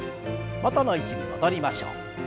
元の位置に戻りましょう。